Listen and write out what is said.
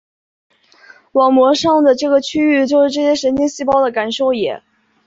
网膜上的这个区域就是这些神经细胞的感受野。